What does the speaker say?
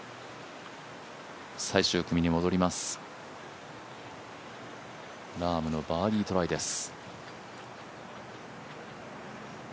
最終組に戻ります、ラームのバーディートライです。